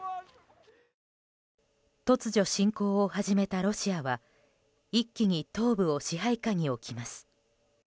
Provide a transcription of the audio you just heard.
突如、侵攻を始めたロシアは一気に東部を支配下に置きます。